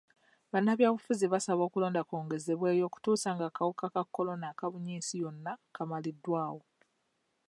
Bannabyabufuzi basaba okulonda kwongezebweyo okutuusa nga akawuka ka kolona akabunye ensi yonna kamaliddwawo.